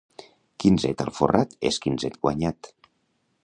Quinzet alforrat és quinzet guanyat.